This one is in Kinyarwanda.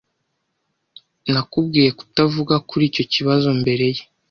Nakubwiye kutavuga kuri icyo kibazo imbere ye.